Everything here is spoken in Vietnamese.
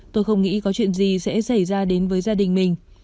tôi không nghĩ có chuyện gì sẽ xảy ra đến với gia đình mình